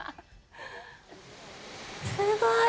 すごい！